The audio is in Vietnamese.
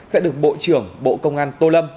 sẽ được bộ trưởng bộ công an tô lâm